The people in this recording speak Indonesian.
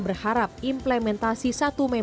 berharap implementasi satu mei